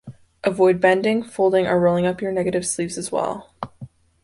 Avoid bending, folding or rolling up your negatives sleeves as well.